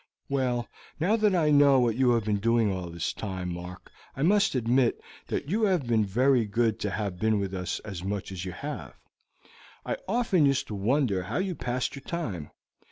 "Well, now that I know what you have been doing all this time, Mark, I must admit that you have been very good to have been with us as much as you have. I often used to wonder how you passed your time.